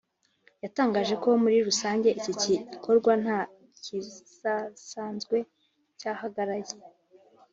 yatangaje ko muri rusange iki gikorwa nta kizasanzwe cyahagaragaye